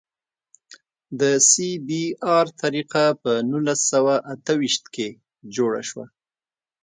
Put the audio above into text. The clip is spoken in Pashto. د سی بي ار طریقه په نولس سوه اته ویشت کې جوړه شوه